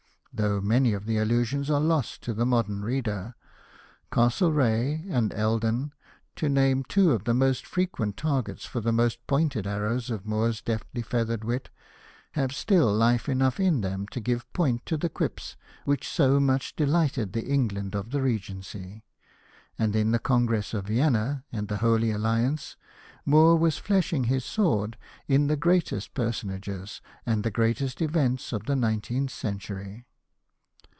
Though many of the allusions are lost to the modern reader, Castlereagh and Eldon, to name two of the most frequent targets for the most pointed arrows of Moore's deftly feathered wit, have still life enough in them to give point to the quips which so much delighted the England of the Regency. And in the Congress of Vienna and the Holy Alliance, Moore was fleshing his sword in the greatest personages and the greatest events of the nineteenth century.